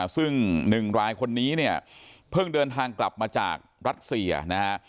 ซึ่ง๑รายคนนี้เนี่ยเพิ่งเดินทางกลับมาจากรัสเซียนะฮะ